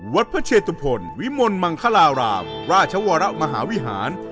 วัดพระเชตุพลวิมลมังคลารามราชวรมหาวิหาร